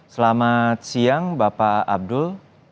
selamat siang bapak abdul